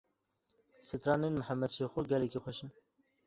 Stranên Mihemed Şêxo gelekî xweş in.